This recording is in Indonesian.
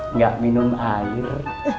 nggak minum air